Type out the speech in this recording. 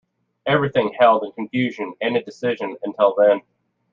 Everything held in confusion and indecision until then!